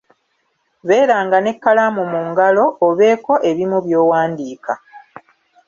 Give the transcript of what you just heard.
Beeranga n'ekkalamu mu ngalo, obeeko ebimu by'owandika.